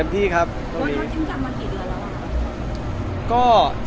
อ๋อน้องมีหลายคน